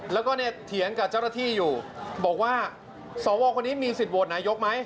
แล้วก็เนี่ยเถียงกับเจ้าหน้าที่อยู่บอกว่าสวคนนี้มีสิทธิโหวตนายกไหม